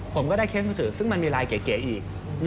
ผมก็ได้เคลียร์สื่อสื่อซึ่งมันมีลายเก๋อีก